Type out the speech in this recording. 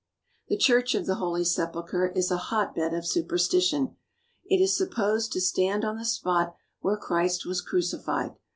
The Church of the Holy Sepulchre is a hotbed of su perstition. It is supposed to stand on the spot where Christ was crucified.